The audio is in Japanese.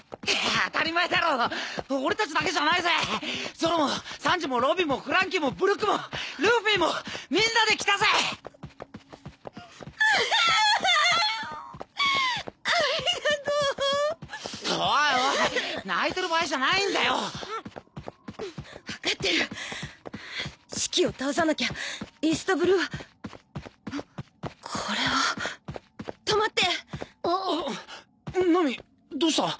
当たり前だろ俺たちだけじゃないぜゾロもサンジもロビンもフランキーもブルックもルフィもみんなで来たぜうぅえんありがとう！おいおい泣いてる場合じゃないんだようん分かってるシキを倒さなきゃイーストブルーはあっこれは止まってナミどうした？